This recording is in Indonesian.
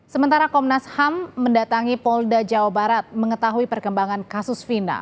sementara komnas ham mendatangi polda jawa barat mengetahui perkembangan kasus fina